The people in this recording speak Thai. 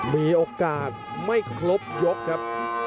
มีโอกาสไม่ครบยกครับ